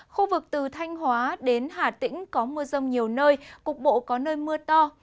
khu vực từ thanh hóa đến hà tĩnh có mưa rông nhiều nơi cục bộ có nơi mưa to